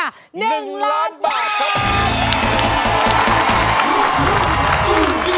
๑ล้านบาท